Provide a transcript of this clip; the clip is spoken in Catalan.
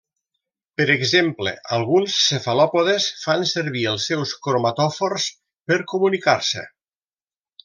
Per exemple, alguns cefalòpodes fan servir els seus cromatòfors per comunicar-se.